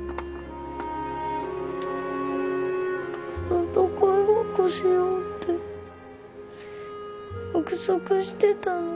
戦いごっこしようって約束してたのに。